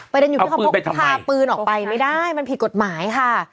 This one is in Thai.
อยู่ที่เขาพกพาปืนออกไปไม่ได้มันผิดกฎหมายค่ะ